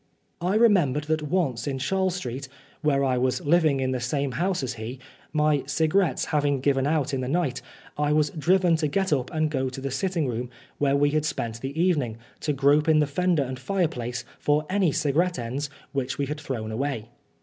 I remembered that once in Charles Street, where I was living in the same house as he, my cigarettes having given out in the night, I was driven to get up and go to the sitting room where we had spent the evening, to grope in the fender and fireplace for any cigar ette ends which we had thrown away.